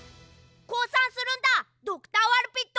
こうさんするんだドクター・ワルピット！